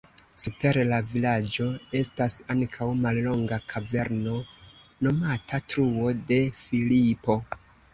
Super la vilaĝo estas ankaŭ mallonga kaverno nomata Truo de Filipo.